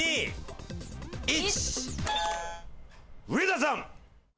上田さん！